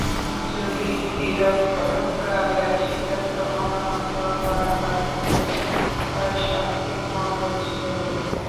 যদি হীরক রাজার সিদ্ধান্ত অমান্য করা হয়, তাহলে তার শাস্তি মগজ ধোলাই।